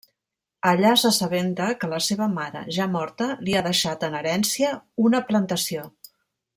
Allà s'assabenta que la seva mare, ja morta, li ha deixat en herència una plantació.